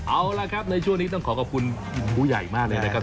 เอาล่ะครับในช่วงนี้ต้องขอขอบคุณผู้ใหญ่มากเลยนะครับ